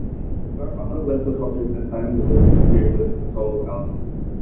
Garfunkel left the project and Simon worked the material into a solo album.